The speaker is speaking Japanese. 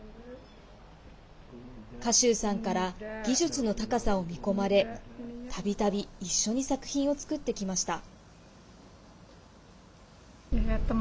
賀集さんから技術の高さを見込まれたびたび一緒に作品を作ってきました。